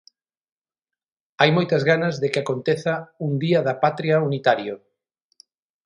Hai moitas ganas de que aconteza un Día da Patria unitario.